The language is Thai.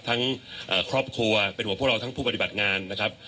ทั้งครอบครัวเป็นหัวพวกเราทั้งผู้ปฏิบัติงานนะครับ